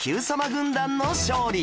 軍団の勝利